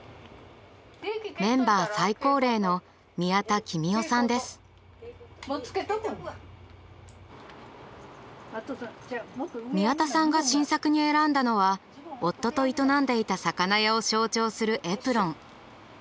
メンバー最高齢の宮田さんが新作に選んだのは夫と営んでいた魚屋を象徴するエプロン。